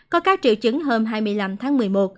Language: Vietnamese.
có các triệu chứng hôm hai mươi năm tháng một mươi một